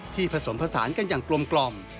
ผสมผสานกันอย่างกลม